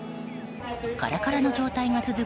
カラカラの状態が続く